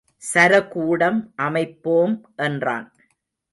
சரகூடம் அமைப்போம் என்றான்.